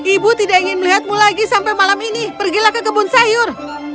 ibu tidak ingin melihatmu lagi sampai malam ini pergilah ke kebun sayur